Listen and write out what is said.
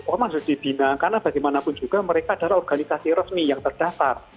ormas harus dibina karena bagaimanapun juga mereka adalah organisasi resmi yang terdasar